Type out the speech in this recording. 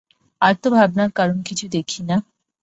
আর তো ভাবনার কারণ কিছু দেখি না।